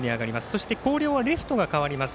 そして、広陵はレフトが代わります。